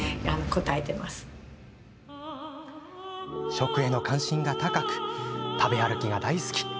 食への関心が高く食べ歩きが大好き。